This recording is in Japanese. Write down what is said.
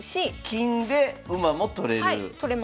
金で馬も取れる。